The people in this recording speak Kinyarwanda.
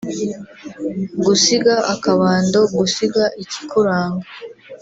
” Gusiga akabando = Gusiga ikikuranga